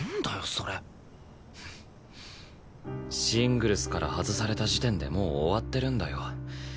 シングルスから外された時点でもう終わってるんだよ。